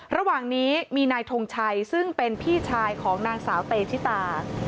ระหว่างนี้มีนายทงชัยซึ่งเป็นพี่ชายของนางสาวเตชิตา